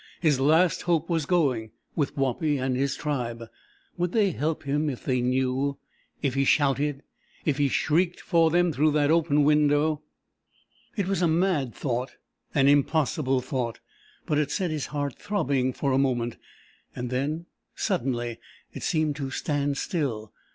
His last hope was going with Wapi and his tribe! Would they help him if they knew? If he shouted? If he shrieked for them through that open window? It was a mad thought, an impossible thought, but it set his heart throbbing for a moment. And then suddenly it seemed to stand still.